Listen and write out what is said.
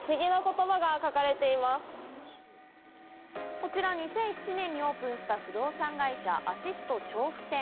こちら２００７年にオープンした不動産会社・アシスト調布店。